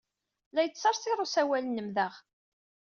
La yettsersir usawal-nnem daɣ.